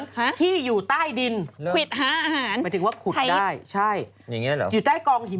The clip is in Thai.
หมายถึงว่าขุดได้ใช่อยู่ใต้กองหิมะพี่มันขุดขึ้นมากินได้แล้วก็ผิวหนังที่ยืดหยุ่นของมัน